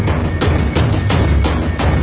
ผมก็คิดได้ว่า๗๑๑ครับ